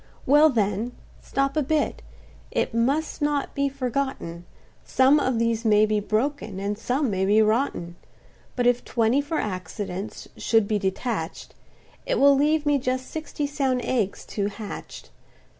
"Well then—stop a bit,—it must not be forgotten, Some of these may be broken, and some may be rotten; But if twenty for accidents should be detach'd, It will leave me just sixty sound eggs to hatch'd.